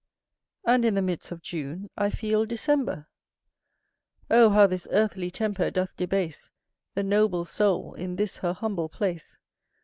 And in the midst of June I feel December. Oh how this earthly temper doth debase The noble soul, in this her humble place!